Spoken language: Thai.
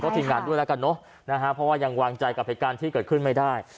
ทีมงานด้วยแล้วกันเนอะนะฮะเพราะว่ายังวางใจกับเหตุการณ์ที่เกิดขึ้นไม่ได้